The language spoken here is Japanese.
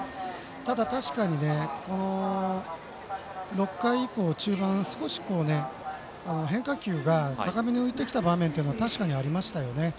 ただ、確かに６回以降中盤、少し変化球が高めに浮いてきた場面というのは確かにありましたよね。